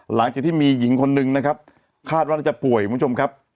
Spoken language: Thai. หลังจากที่มีหญิงคนนึงนะครับคาดว่าน่าจะป่วยคุณผู้ชมครับ